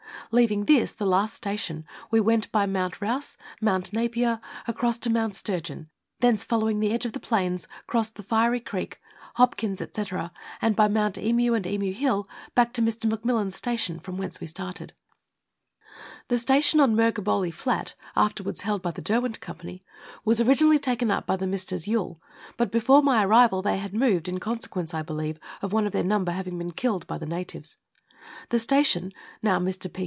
Leaving this (the last station) we went by Mount House, Mount Napier, across to Mount Sturgeon, thence following the edge of the plains, crossed the Fiery Creek, Hopkins, &c., and, by Mount Emu and Emu Hill, back to Mr. McMillan's station, from whence we started. The station on Murghebolac Flat, afterwards held by the Derweut Company, was originally taken up by the Messrs. Yuille, but before my arrival they had moved, in consequence, I believe, of one of their number having been killed by the natives. The station (now Mr. P.